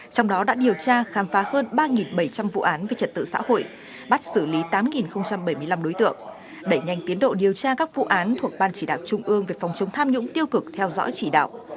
trong đó đã điều tra khám phá hơn ba bảy trăm linh vụ án về trật tự xã hội bắt xử lý tám bảy mươi năm đối tượng đẩy nhanh tiến độ điều tra các vụ án thuộc ban chỉ đạo trung ương về phòng chống tham nhũng tiêu cực theo dõi chỉ đạo